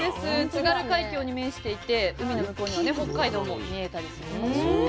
津軽海峡に面していて海の向こうにはね北海道も見えたりする場所です。